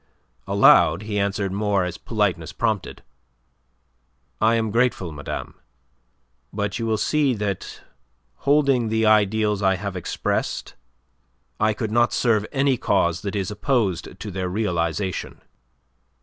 Aloud he answered more as politeness prompted. "I am grateful, madame. But you will see that, holding the ideals I have expressed, I could not serve any cause that is opposed to their realization."